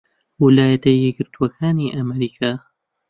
ویلایەتە یەکگرتووەکانی ئەمریکا